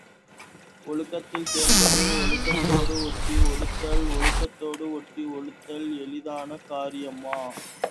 ஒழுக்கத்தில் சிறந்தது உலகத்தோடு ஒட்டி ஒழுகுதல், உலகத்தோடு ஒட்டி ஒழுகுதல் எளிதான காரியமா?